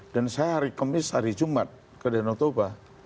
dan saya hari khamis hari jumat ke danau toba